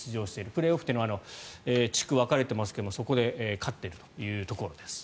プレーオフというのは地区、分かれてますがそこで勝っているというところです。